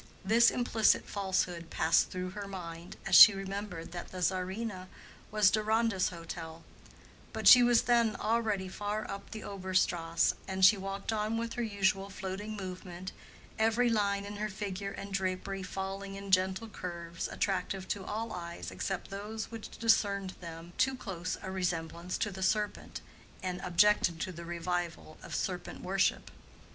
This implicit falsehood passed through her mind as she remembered that the Czarina was Deronda's hotel; but she was then already far up the Obere Strasse, and she walked on with her usual floating movement, every line in her figure and drapery falling in gentle curves attractive to all eyes except those which discerned in them too close a resemblance to the serpent, and objected to the revival of serpent worship.